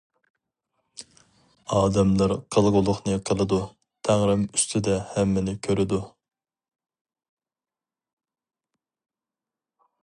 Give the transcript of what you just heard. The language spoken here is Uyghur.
ئادەملەر قىلغۇلۇقنى قىلىدۇ، تەڭرىم ئۈستىدە ھەممىنى كۆرىدۇ.